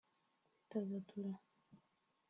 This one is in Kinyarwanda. kwidagadura